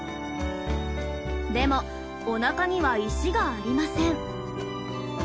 でもおなかには石がありません。